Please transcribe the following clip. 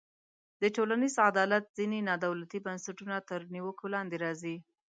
د ټولنیز عدالت ځینې نا دولتي بنسټونه تر نیوکو لاندې راځي.